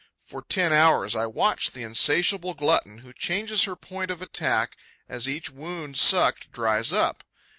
For ten hours, I watch the insatiable glutton, who changes her point of attack as each wound sucked dries up.